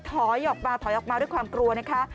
ถอยออกมาถอยออกมาด้วยความกลัวนะคะ